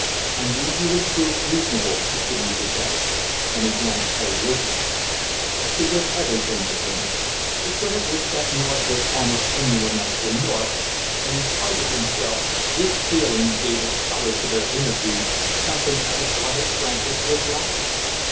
"I knew you would prove reasonable," continued the general, and he glanced at Elizabeth. She was everything to him. He could have wished that North was almost any one else than North; and in spite of himself this feeling gave its color to their interview, something of his wonted frankness was lacking.